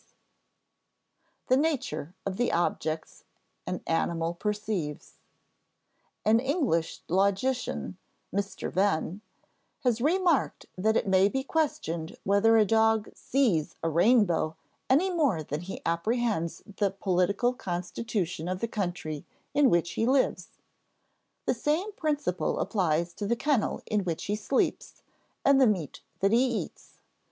[Sidenote: The nature of the objects an animal perceives] An English logician (Mr. Venn) has remarked that it may be questioned whether a dog sees a rainbow any more than he apprehends the political constitution of the country in which he lives. The same principle applies to the kennel in which he sleeps and the meat that he eats.